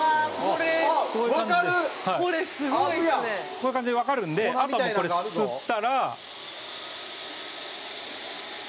こういう感じでわかるんであとはもう吸ったら。